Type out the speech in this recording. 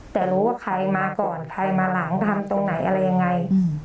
แต่รู้ว่าใครมาก่อนใครมาหลังทำตรงไหนอะไรยังไง